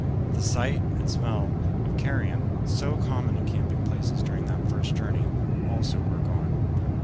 ] The sight and smell of carrion, so common in camping places during that first journey, also were gone.